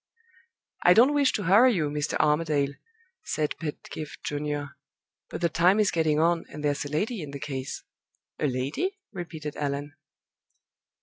"I don't wish to hurry you, Mr. Armadale," said Pedgift Junior; "but the time is getting on, and there's a lady in the case." "A lady?" repeated Allan.